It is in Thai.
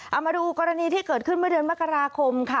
เอามาดูกรณีที่เกิดขึ้นเมื่อเดือนมกราคมค่ะ